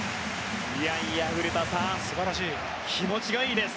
いやいや、古田さん気持ちがいいです。